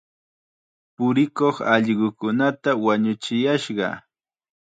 Purikuq allqukunata wañuchiyashqa.